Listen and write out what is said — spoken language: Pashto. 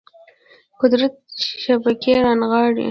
قدرت شبکې رانغاړي